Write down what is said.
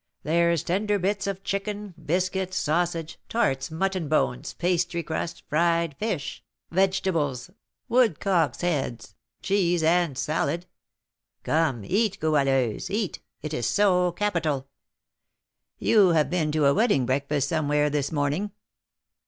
There's tender bits of chicken, biscuit, sausage, tarts, mutton bones, pastry crust, fried fish, vegetables, woodcock's heads, cheese, and salad. Come, eat, Goualeuse, eat; it is so capital! You have been to a wedding breakfast somewhere this morning."